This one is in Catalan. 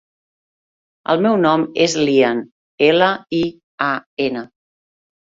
El meu nom és Lian: ela, i, a, ena.